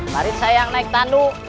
karin saya yang naik tandu